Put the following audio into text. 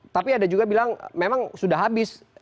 tapi ada juga bilang memang sudah habis